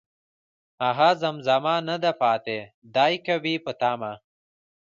هغه زمزمه نه ده پاتې، ،دی که وي په تمه